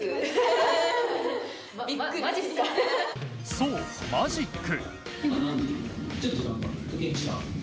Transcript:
そう、マジック。